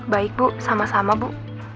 baik bu sama sama bu